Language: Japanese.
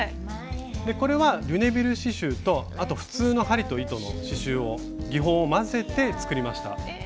これはリュネビル刺しゅうとあと普通の針と糸の刺しゅうを技法を混ぜて作りました。